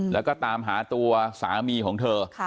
แล้วก็ตามหาตัวสามีของเธอ